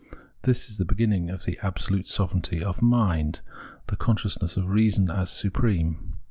This is the beginning of the absolute sovereignty of Mind — the Consciousness of Reason as supreme.